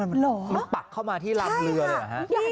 มันปักเข้ามาที่ลำเรือเลยเหรอฮะ